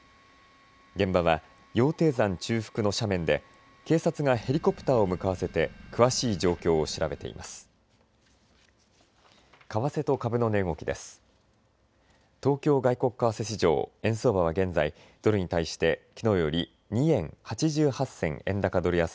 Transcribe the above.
現場は羊蹄山中腹の斜面で警察がヘリコプターを向かわせて詳しい状況を調べています。